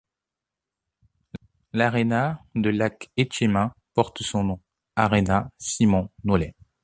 L'aréna de Lac-Etchemin porte son nom, Aréna Simon Nolet.